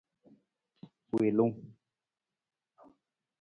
Wiilung.